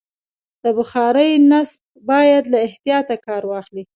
د بخارۍ نصب باید له احتیاطه کار واخلي.